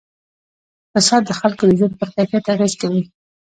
اقتصاد د خلکو د ژوند پر کیفیت اغېز کوي.